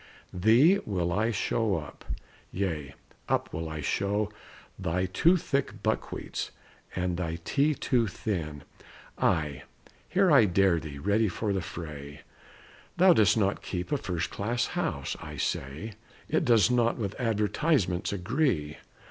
Thee will I show up yea, up will I show Thy too thick buckwheats, and thy tea too thin. Ay! here I dare thee, ready for the fray! Thou dost not "keep a first class house," I say! It does not with the advertisements agree.